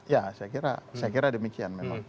ya saya kira demikian